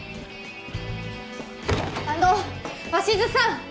あの鷲津さん！